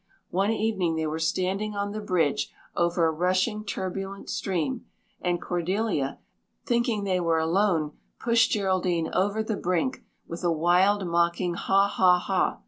One evening they were standing on the bridge over a rushing turbulent stream and Cordelia, thinking they were alone, pushed Geraldine over the brink with a wild, mocking, 'Ha, ha, ha.